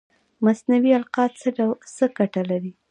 مصنوعي القاح څه ګټه لري؟